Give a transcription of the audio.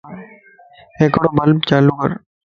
ھڪڙو بلب چالو ڪر